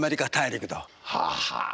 ははあ。